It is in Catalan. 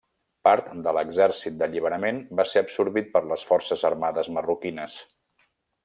Part de l'Exèrcit d'Alliberament va ser absorbit per les forces armades marroquines.